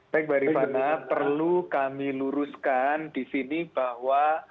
baik mbak rifana perlu kami luruskan di sini bahwa